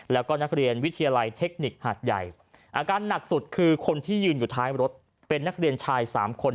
แล้วก็นักเรียนวิทยาลัยเทคนิคหาดใหญ่อาการหนักสุดคือคนที่ยืนอยู่ท้ายรถเป็นนักเรียนชาย๓คน